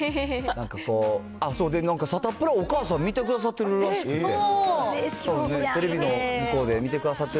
なんかこう、サタプラ、お母さん見てくださってるらしくて。